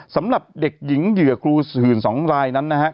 สำหรับเด็กหญิงเหยื่อครูหื่น๒รายนั้นนะฮะ